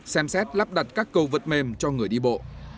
xem xét lắp đặt các cầu vượt mềm cho người đi bộ